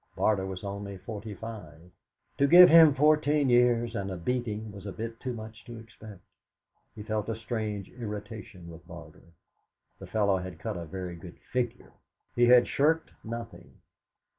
Barter was only forty five. To give him fourteen years and a beating was a bit too much to expect: He felt a strange irritation with Barter the fellow had cut a very good figure! He had shirked nothing.